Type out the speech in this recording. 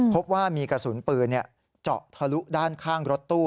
พบว่ามีกระสุนปืนเจาะทะลุด้านข้างรถตู้